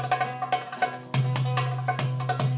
zakat kuin eh pak